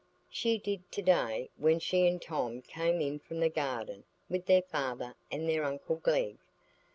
She did to day, when she and Tom came in from the garden with their father and their uncle Glegg.